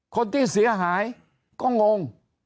คนที่เสียหายก็งง